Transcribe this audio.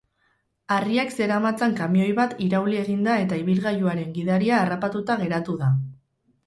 Harriak zeramatzan kamioi bat irauli egin da eta ibilgailuaren gidaria harrapatuta geratu da.